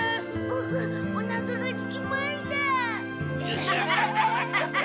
ボクおなかがすきました！